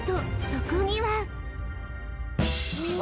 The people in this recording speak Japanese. ［そこには］